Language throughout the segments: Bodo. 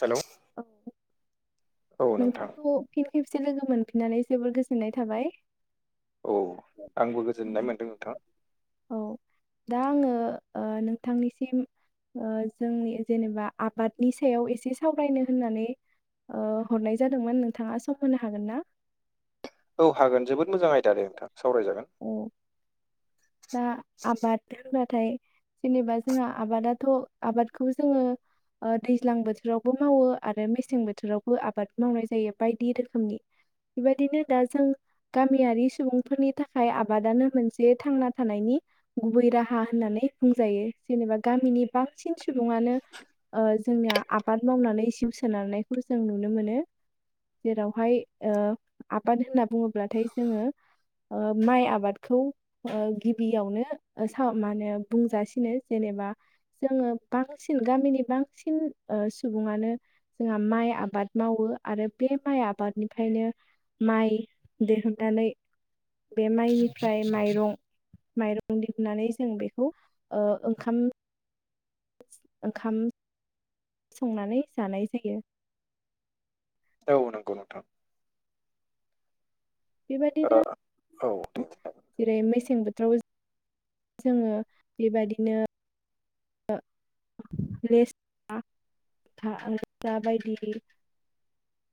हेलौ औ औ नोंथां नोंथांखौ फिन खेबसे लोगो मोनफिननानै जोबोर गोजोननाय थाबाय। औ आंबो गोजोननाय मोन्दों नोंथां। औ दा आङो ओ नोंथांनिसिम ओ जोंनि जेनेबा आबादनि सायाव एसे सावरायनो होननानै ओ हरनाय जादोंमोन नोंथाङा सम होनो हागोन ना? औ हागोन जोबोद मोजां आयदा दे नोंथां सावरायजागोन। औ दा आबाद होनबाथाय जेनेबा जोंहा आबादाथ' आबादखौ जोङो ओ दैज्लां बोथोरावबो मावो आरो मेसें बोथोरावबो आबाद मावनाय जायो बायदि रोखोमनि। बेबायदिनो दा जों गामियारि सुबुंफोरनि थाखाय आबादानो मोनसे थांना थानायनि गुबै राहा होननानै बुंजायो जेनेबा गामिनि बांसिन सुबुङानो ओ जोंनिया आबाद मावनानै जिउ सोनारनायखौ जों नुनो मोनो। जेरावहाय ओ आबाद होनना बुङोब्लाथाय जोङो ओ माइ आबादखौ ओ गिबियावनो सा मा होनो बुंजासिनो जेनेबा जोङो बांसिन गामिनि बांसिन ओ सुबुङानो जोंहा माइ आबाद मावो आरो बे माइ आबादनिफ्रायनो माइ दिहुननानै बे माइनिफ्राय माइरं माइरं दिहुननानै जों बेखौ ओ ओंखाम ओंखाम संनानै जानाय जायो। औ नंगौ नोंथां। बेबायदिनो ओ औ दे जेरै मेसें बोथोरावबो जोङो बेबादिनो [unintelligible] लाग्रा, बायदि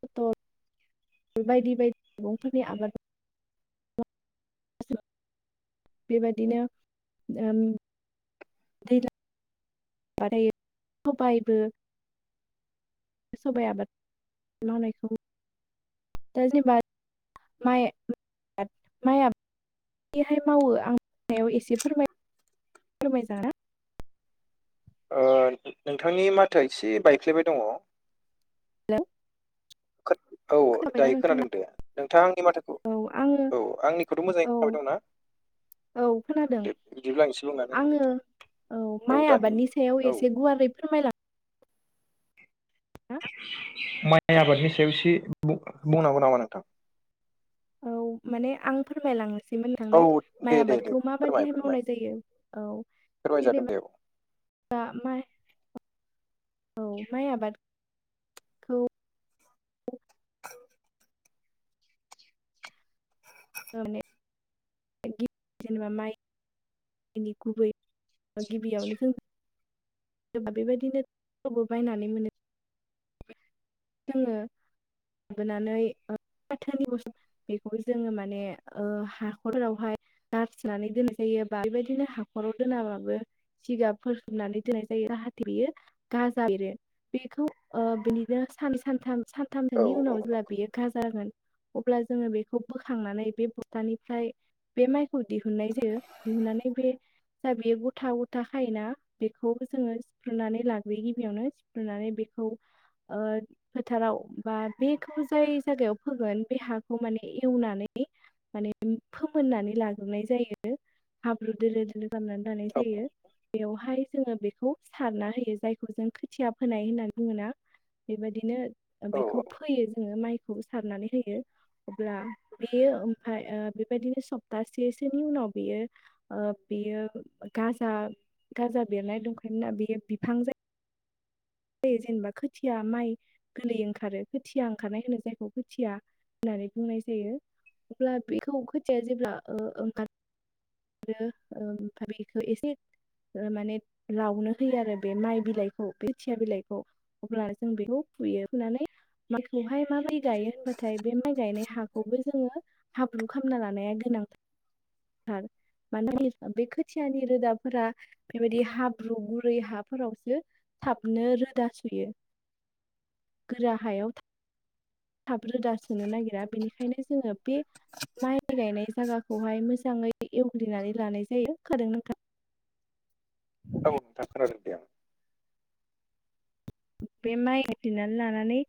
[unintelligible] थ बायदि बायदि मैगंफोरनि आबाद बेबादिनो ओम दैज्लां बायबाथाइ सबायबो सबाइ आबाद मावनायखौ दा जेनेबा माइ [unintelligible] माया बेहाय मावो आं साव एसे फोरमाय फोरमायजाना नोंथांनि माथो एसे बायफ्लेबाय दङ। [unintelligible] औ खोनाबायना दायो नोंथाङा खोनादों दे नोंथाङा आंनि माथोखौ औ आङो औ आंनिखौथ' मोजाङै औ खोनाबाय दं ना? औ खोनादों आं एसे बुंनानै होनि आङो नोंथां औ माइ आबादनि सायाव औ एसे गुवारै फोरमायला माइ आबादनि सायाव एसे बुं बुंनांगौ नामा नोंथां? औ माने आं फोरमायलांनोसै। [unintelligible] औ थांनो माइ दे दे दे आबादखौ फोरमाय माबादिहाय फोरमाय मावनाय जायो औ, फोरमायजागोन जेनेबा दे [unintelligible] औ माइ आबाद [unintelligible] [unintelligible] [unintelligible] जोंनि गुबै गिबियावनो जों बा बेबायदिनोबो बायनानै मोनो। जोङो लाबोनानै फाथोनि बस बेखौ जोङो माने हाखरावहाय नारसिननानै दोननाय जायो बा बेबायदिनो हाखराव दोनाबाबो सिगाब फथोबनानै दोननाय जायो जाहाथे बियो। गाजा एरो बेखौ बिदिनो सान सानथाम औ औ सानथामसोनि उनाव जेब्ला औ बियो [unintelligible] खा जागोन अब्ला जोङो बेखौ बोखांनानै बे बुथानिफ्राय बे माइखौ दिहुननाय जायो दिहुननानै बे जा बेयो गथा गथा खायोना। बेखौबो जोङो सिफ्रुनानै लाग्रोयो गिबियावनो सिफ्रुनानै बेखौ ओ फोथाराव बा बेखौ जाय जागायाव फोगोन बे हाखौ माने एवनानै माने फोमोननानै लाग्रोनाय जायो हाब्रु दोलो दोलो खालामनानै लानाय औ जायो। बेवहाय जोङो बेखौ सारना होयो जायखौ जों खोथिया फोनाय होननानै बुङोना। बेबायदिनो ओ औ बेखौ फोयो जोङो माइखौ सारनानै होयो। अब्ला बेयो ओमफ्राय बेबायदिनो सप्तासेसोनि उनाव बेयो ओ बेयो गाजा गाजा बेरनाय दंखायो ना बेयो बिफां जायो जाय जेनेबा, खोथि खोथिया माइ गोरलै ओंखारो खोथिया ओंखारनाय होनो जायखौ खोथिया। होननानै बुंनाय जायो अब्ला बेखौ खोथिया जेब्ला ओ ओंखार आरो ओमफ्राय बेखौ एसे ओ माने लावनो होयो आरो बे माइ बिलाइखौ बे खोथिया बिलाइखौ। अब्ला जों बेखौ फुयो फुनानै माइखौहाय माबोरै गायो होनबाथाय बे माइ गायनाय हाखौबो जोङो हाब्रु खामना लानाया गोनांथा थार। मानो [unintelligible] बे खोथियानि रोदाफोरा बेबायदि हाब्रु गुरै हाफोरावसो थाबनो रोदा सुयो गोरा हायाव। थाब रोदा सोनो नागिरा बेनिखायनो जोङो बे माइ गायनाय जायगाखौहाय मोजाङै एवग्लिनानै लानाय जायो [unintelligible] खादों नोंथां औ नोंथां खोनादों दे आं। बे माइ आथिनानै लानानै।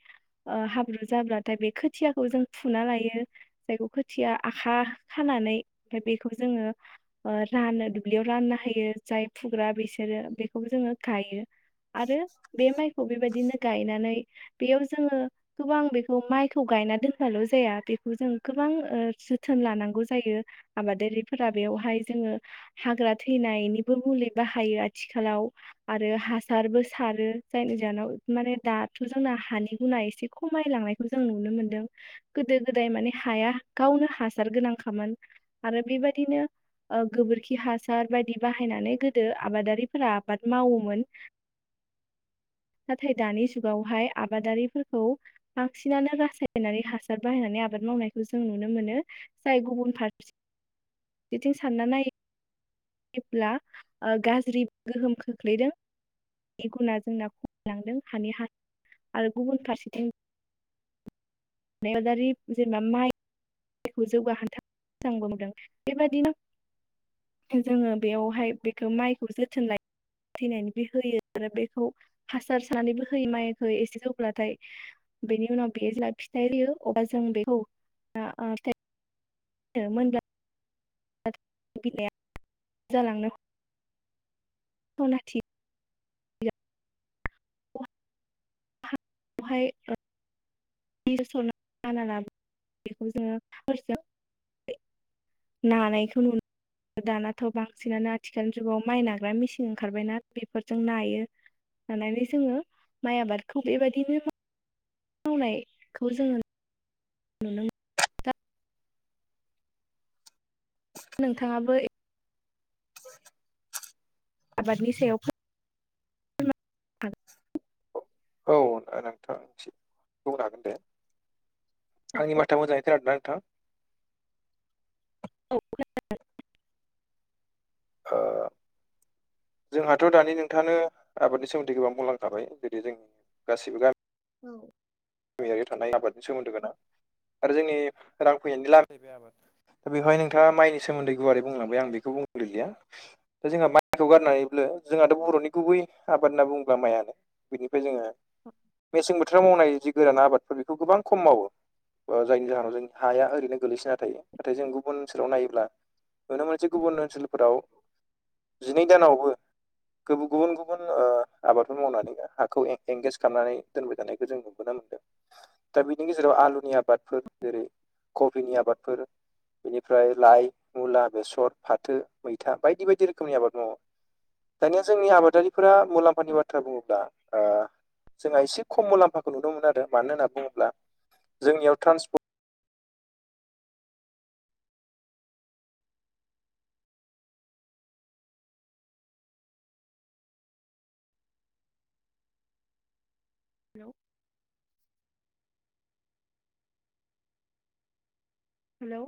ओ हाब्रु जाब्लाथाय बे खोथियाखौ जों फुना लायो। जायखौ खोथिया आखा खानानै ओमफ्राय बेखौ जोङो ओ रानो दुब्लियाव राननो होयो जाय फुग्रा बिसोरो बेखौबो जोङो गायो। आरो बे माइखौ बेबायदिनो गायनानै बेयाव जोङो गोबां बेखौ माइखौ गायना दोनबाल' जाया बेखौ जों गोबां ओ जोथोन लानांगौ जायो। आबादारिफोरा बेवहाय जोङो। हाग्रा थैनायनिबो मुलि बाहायो आथिखालाव आरो हासारबो सारो। जायनि जाहोनाव माने दाथ' जोंना हानि गुना एसे खमायलांनायखौ जों नुनो मोनदों। गोदो गोदाय माने हाया गावनो हासार गोनांखामोन आरो बेबायदिनो ओ गोबोरखि हासार बायदि बाहायनानै गोदो आबादारिफोरा आबाद मावोमोन। नाथाय दानि जुगावहाय आबादारिफोरखौ बांसिनानो रासायनारि हासार बाहायनानै आबाद मावनायखौ जों नुनो मोनो जाय गुबुन फारसेसेथिं सानना नायो जेब्ला ओ गाज्रि गोहोम खोख्लैदों गुना जोंना लांदों हानि हा आरो गुबुन फारसेथिं। [unintelligible] खौ जौगाहोनथा मोजां बुंदों बेबायादिनो हिन जोङो बेयावहाय बेखौ माइखौ जोथोन लायो। थैनानैबो होयो आरो बेखौ हासार सारनानैबो होयो माइखौ एसे जौब्लाथाय बेनि उनाव बेयो अब्ला फिथाइ होयो अजों बेखौ [unintelligible] [unintelligible] [unintelligible] अनाथि बेवहाय ओ बि सराना बेखौ जोङो हरसे नानायखौ नुनो दानाथ' बांसिनानो आथिखाल जुगाव माइ नाग्रा मिसिन ओंखारबायना बेफोरजों नायो। लानानै जोङो माइ आबादखौ बेबायदिनो मा वनायखौ जोङो मोनो दा नोंथाङाबो ए [inaudible] आबादनि सायाव फोरमायनो औ नोंथां बुंनो हागोन दे आंनि माथोआ मोजाङै खोनादों ना नोंथां? [unintelligible] हो जोंहाथ' दानि नोंथाङानो आबादनि सोमोन्दै गोबां बुंलांखाबाय गोदो जों गासिबो गामि औ गैयारि थानाय आबादनि सोमोन्दो गोनां आरो जोंनि रां फैनायनि [unintelligible] दा बेहाय नोंथाङा माइनि सोमोन्दै गुवारै बुंलांबाय आं बेखौ बुंगलैलिया। दा जोंहा माइखौ गारनानैब्लो जोंहाथ' बर'नि गुबै आबाद होनना बुङोब्ला माइआनो बिनिफ्राय जोङो मेसें बोथोराव मावनाय जि गोरान आबादफोर बेखौ गोबां खम मावो। ओ जायनि जाहोनाव जों हाया ओरैनो गोलैसोना थायो नाथाय जों गुबुन ओनसोलाव नायोब्ला। नुनो मोनसे गुबुन ओनसोलफोराव जिनै दानावबो गोबो गुबुन गुबुन ओ आबादफोर मावनानै जा हाखौ एं एंगेज खालामनानै दोनबाय थानायखौ जों नुबोनो मोनो। दा बिनि गेजेराव आलुनि आबादफोर जेरै कबिनि आबादफोर बेनिफ्राय लाइ, मुला, बेसर, फाथो, मैथा बायदि बायदि रोखोमनि आबाद मावो। दानिया जोंनि आबादारिफोरा मुलाम्फानि बाथ्रा बुङोब्ला ओ जोंहा एसे खम मुलाम्फाखौ नुदोंमोन आरो मानो होनना बुङोब्ला जोंनियाव ट्रान्सपर्ट हेल' हेलौ